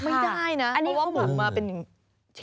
ไม่ได้นะเพราะว่ามาเป็นชิ้น